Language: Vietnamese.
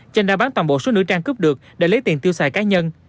chanh đã bán toàn bộ số nữ trang cướp được để lấy tiền tiêu xài cá nhân